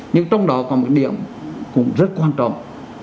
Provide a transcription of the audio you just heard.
nhưng trong đó có một điểm cũng rất quan trọng